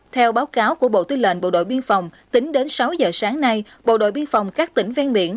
theo báo cáo của bộ tư lệnh bộ đội biên phòng tính đến sáu giờ sáng nay bộ đội biên phòng các tỉnh ven biển